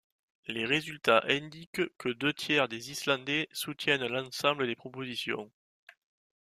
Les résultats indiquent que deux tiers des Islandais soutiennent l'ensemble des propositions.